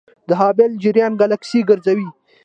د هبل جریان ګلکسي ګرځوي.